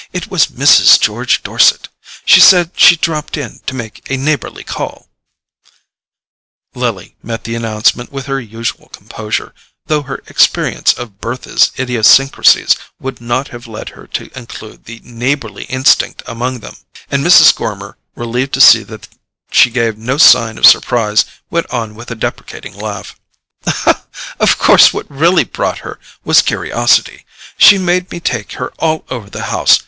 It was Mrs. George Dorset—she said she'd dropped in to make a neighbourly call." Lily met the announcement with her usual composure, though her experience of Bertha's idiosyncrasies would not have led her to include the neighbourly instinct among them; and Mrs. Gormer, relieved to see that she gave no sign of surprise, went on with a deprecating laugh: "Of course what really brought her was curiosity—she made me take her all over the house.